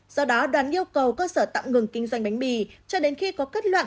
do đó đoàn yêu cầu cơ sở tạm ngừng kinh doanh bánh mì cho đến khi có kết luận